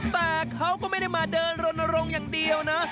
แต่เขาก็ไม่ได้มาเดินรณรงค์อย่างเดียวนะ